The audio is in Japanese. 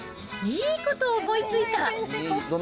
いいこと思いついた。